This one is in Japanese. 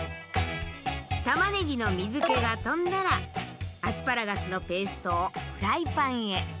たまねぎの水けが飛んだらアスパラガスのペーストをフライパンへ。